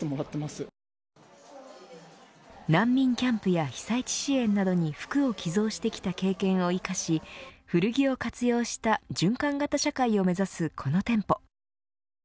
難民キャンプや被災地支援などに服を寄贈してきた経験を生かし古着を活用した循環型社会を目指すこの店舗。